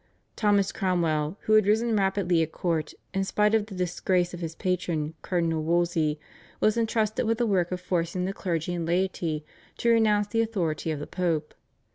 Thomas Cromwell, who had risen rapidly at court in spite of the disgrace of his patron, Cardinal Wolsey, was entrusted with the work of forcing the clergy and laity to renounce the authority of the Pope.